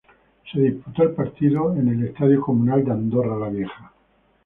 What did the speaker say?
Se disputó el partido en el Estadio Comunal de Andorra la Vieja.